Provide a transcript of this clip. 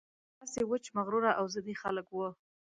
داسې وچ مغروره او ضدي خلک وو.